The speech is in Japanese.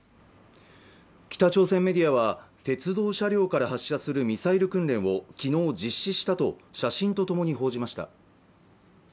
北朝鮮メディアは鉄道車両から発射するミサイル訓練を昨日実施したと写真とともに報じました